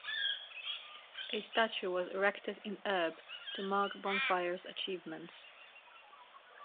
A statue was erected in Erp to mark Bonfire's achievements.